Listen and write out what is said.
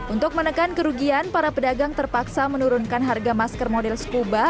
untuk menekan kerugian para pedagang terpaksa menurunkan harga masker model skuba